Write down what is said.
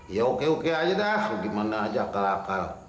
ya oke oke aja dah gimana aja ke akal